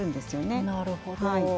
なるほど。